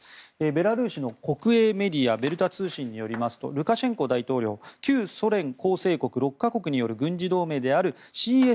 ベラルーシの国営メディアベルタ通信によりますとルカシェンコ大統領旧ソ連構成国６か国による軍事同盟であるＣＳＴＯ